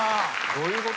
どういうこと？